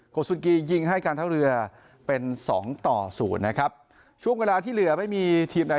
สุนกียิงให้การเท่าเรือเป็นสองต่อศูนย์นะครับช่วงเวลาที่เหลือไม่มีทีมใด